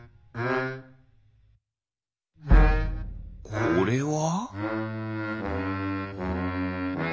これは？